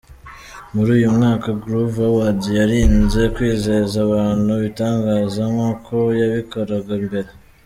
Muri uyu mwaka Groove Awards yirinze kwizeza abantu ibitangaza nk’uko yabikoraga mbere.